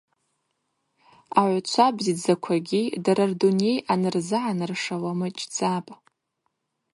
Агӏвгӏвчва бзидздзаквагьи дара рдуней анырзыгӏаныршауа мачӏдзапӏ.